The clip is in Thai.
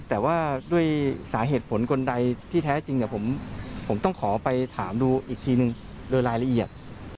แต่ว่าด้วยสาเหตุผลคนใดที่แท้จริงผมต้องขอไปถามดูอีกทีนึงโดยรายละเอียด